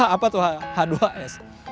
apa tuh h dua s